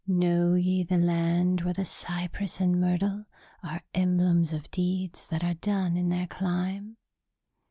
'Know ye the land where the cypress and myrtle are emblems of deeds that are done in their clime...?'